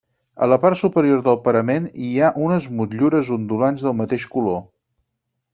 A la part superior del parament hi ha unes motllures ondulants del mateix color.